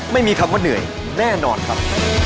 ไม่มีคำว่าเหนื่อยแน่นอนครับ